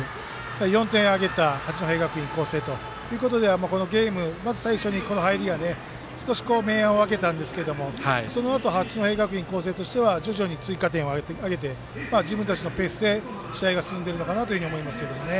４点あげた八戸学院光星ということでこのゲーム、まず最初にこの入りが少し明暗を分けたんですけどそのあと八戸学院光星としては徐々に追加点を挙げて自分たちのペースで試合が進んでいるのかなと思いますけどね。